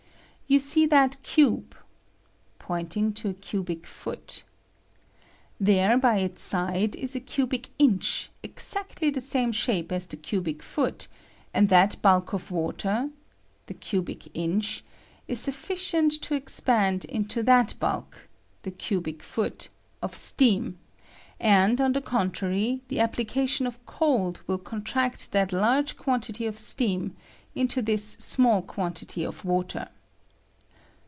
You see that cube [pointing to a cubic ^^^Tbot]. There, by its side, is a cubic inch, exact ly the same shape as the cubic foot, and that bulk of water [the cubic inch] is sufficient to ex pand into that bulk [the cubic foot] of steam ; and, on the contrary, the application of cold will contract that large quantity of steam into this I 76 EXPAJTSrVE FOECE OP FBEEZINQ WATER. amall quantity of water.